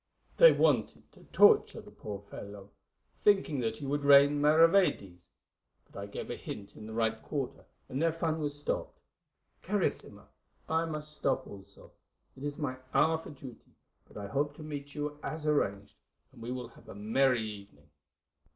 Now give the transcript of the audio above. They wanted to torture the poor devil, thinking that he would rain maravedis; but I gave a hint in the right quarter, and their fun was stopped. Carissima, I must stop also; it is my hour for duty, but I hope to meet you as arranged, and we will have a merry evening.